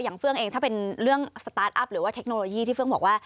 เฟื่องเองถ้าเป็นเรื่องสตาร์ทอัพหรือว่าเทคโนโลยีที่เฟื่องบอกว่า